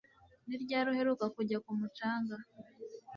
Ni ryari uheruka kujya ku mucanga